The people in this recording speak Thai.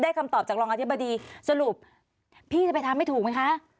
คำตอบจากรองอธิบดีสรุปพี่จะไปทำให้ถูกไหมคะ